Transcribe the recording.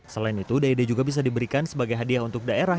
selain itu ded juga bisa diberikan sebagai hadiah untuk daerah